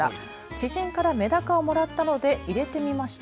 知人からメダカをもらったので入れてみました。